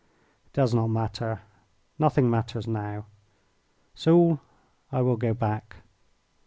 "It does not matter. Nothing matters now. Soult, I will go back."